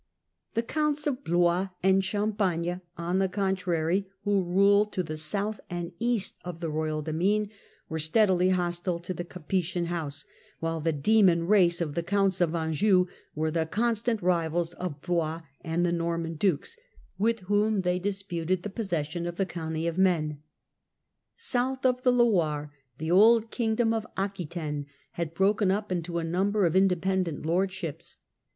The 100 THE CENTRAL PERIOD OF THE MIDDLE AGE Bioisand Couiits of Blois and Champagne, on the contrary, who pagne ruled to the south and east of the royal demesne, were steadily hostile to the Capetian house, while the " demon Anjou race " of the Counts of Anjou were the constant rivals of Blois and of the Norman dukes, with whom they disputed the possession of the county of Maine. Aquitaine South of the Loirc, the old kingdom of Aquitaine had broken up into a number of independent lordships.